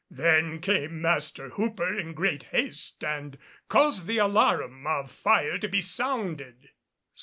Then came Master Hooper in great haste and caused the alarum of fire to be sounded.